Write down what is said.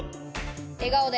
笑顔で。